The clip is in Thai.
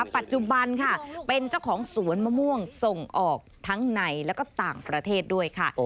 ปัจจุบันค่ะเป็นเจ้าของสวนมะม่วงส่งออกทั้งในและก็ต่างประเทศด้วยค่ะ